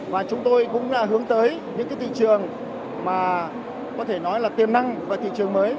và chúng tôi cũng hướng tới những thị trường tiềm năng và thị trường mới